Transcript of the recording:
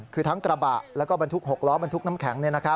คือทั้งกระบะแล้วก็บรรทุก๖ล้อบรรทุกน้ำแข็ง